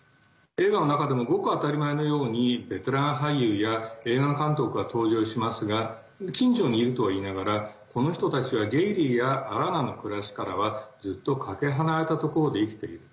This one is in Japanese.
映画の中でもごく当たり前のようにベテラン俳優や映画監督が登場しますが近所にいるとはいいながらこの人たちはゲイリーやアラナの暮らしからはずっとかけ離れたところで生きている。